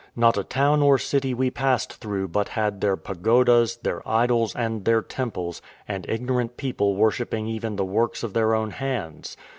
Not a town or city we passed through but had their pagodas, their idols, and their temples, and ignorant people worshipping even the works of their own hands.